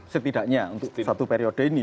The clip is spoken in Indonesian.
setidaknya untuk satu periode ini